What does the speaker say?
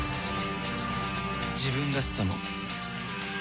自分らしさも